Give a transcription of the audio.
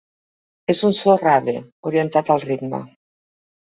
És un so rave, orientat al ritme.